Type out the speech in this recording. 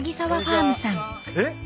えっ？